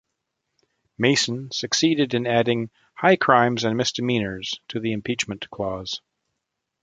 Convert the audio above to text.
Mason succeeded in adding "high crimes and misdemeanors" to the impeachment clause.